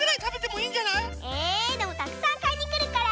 えでもたくさんかいにくるから。